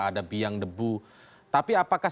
ada biang debu tapi apakah